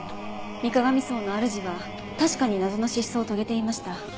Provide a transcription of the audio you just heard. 水鏡荘のあるじは確かに謎の失踪を遂げていました。